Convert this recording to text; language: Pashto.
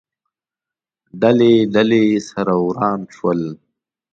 ډلې، ډلې، سره وران شول